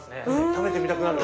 食べてみたくなる？